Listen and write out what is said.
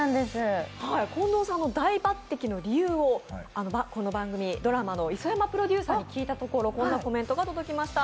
近藤さんの大抜てきの理由を磯山プロデューサーに聞いたところこんなコメントが届きました。